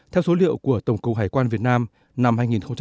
theo số liệu của tổng cầu hải quan việt nam năm hai nghìn một mươi tám